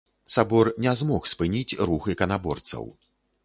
Сабор не змог спыніць рух іканаборцаў.